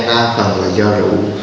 đa phần là do rượu